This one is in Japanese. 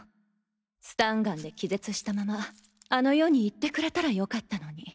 スタンガンで気絶したままあの世に行ってくれたらよかったのに。